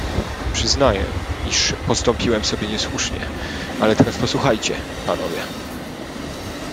"Przyznaję, iż postąpiłem sobie niesłusznie, ale teraz posłuchajcie, panowie!"